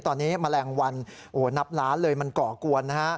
ตอนนี้แมลงวันนับล้านเลยมันก่อกวนนะฮะ